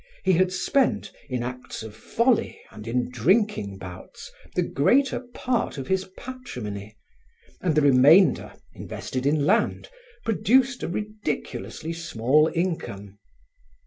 He had spent, in acts of folly and in drinking bouts, the greater part of his patrimony, and the remainder, invested in land, produced a ridiculously small income.